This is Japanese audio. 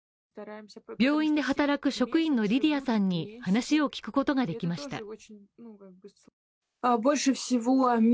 病院で働く職員のリディアさんに話を聞くことができました。